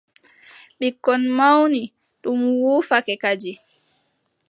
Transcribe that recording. Ɓikkon mawni, ɗum wuufake kadi.